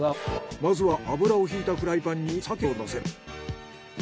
まずは油をひいたフライパンにサケを乗せる。